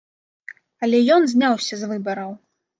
Але ён зняўся з выбараў!